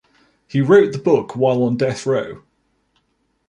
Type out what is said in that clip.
He wrote the book while on death row.